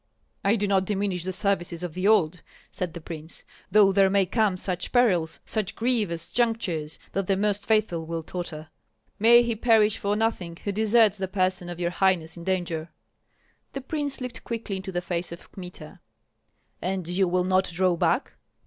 "I do not diminish the services of the old," said the prince, "though there may come such perils, such grievous junctures, that the most faithful will totter." "May he perish for nothing who deserts the person of your highness in danger!" The prince looked quickly into the face of Kmita. "And you will not draw back?"